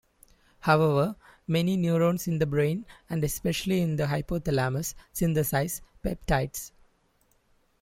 However, many neurons in the brain, and especially in the hypothalamus, synthesize peptides.